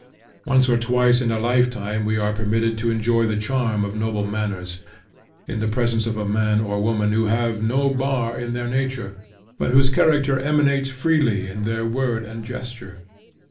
Once or twice in a lifetime we are permitted to enjoy the charm of noble manners, in the presence of a man or woman who have no bar in their nature, but whose character emanates freely in their word and gesture.